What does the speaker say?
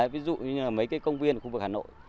ví dụ như là mấy cái công viên của khu vực hà nội